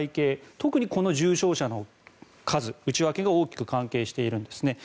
特にこの重症者の数、内訳が大きく関係しているんですね。